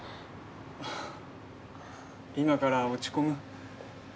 今から落ち込む？